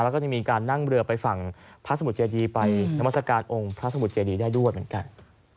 แล้วก็จะมีการนั่งเรือไปฝั่งพระสมุทรเจดีไปนามัศกาลองค์พระสมุทรเจดีได้ด้วยเหมือนกัน